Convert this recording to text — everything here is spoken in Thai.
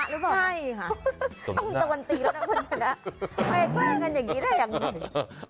แกล้งกันอย่างนี้ได้อย่างหน่อย